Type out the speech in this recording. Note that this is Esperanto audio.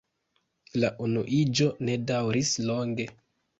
La unuiĝo ne daŭris longe.